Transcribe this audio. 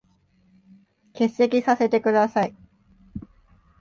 欠席させて下さい。